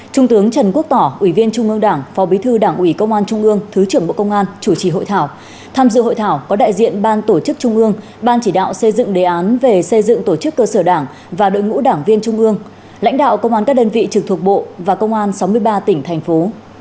trung tướng trần quốc tỏ ủy viên trung ương đảng phó bí thư đảng ủy công an trung ương thứ trưởng bộ công an chủ trì hội thảo tham dự hội thảo có đại diện ban tổ chức trung ương ban chỉ đạo xây dựng đề án về xây dựng tổ chức cơ sở đảng và đội ngũ đảng viên trung ương lãnh đạo công an các đơn vị trực thuộc bộ và công an sáu mươi ba tỉnh thành phố